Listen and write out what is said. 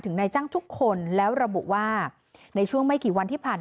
นายจ้างทุกคนแล้วระบุว่าในช่วงไม่กี่วันที่ผ่าน